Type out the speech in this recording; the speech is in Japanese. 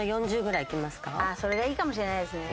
それがいいかもしれないですね。